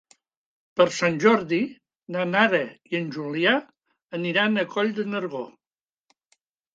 Per Sant Jordi na Nara i en Julià aniran a Coll de Nargó.